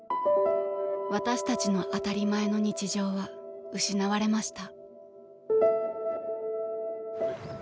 私たちの当たり前の日常は失われました。